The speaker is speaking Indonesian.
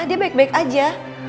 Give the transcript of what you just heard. dia baik baik aja